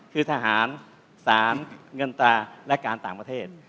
คือทหารสารเงินตราและการต่างประเทศ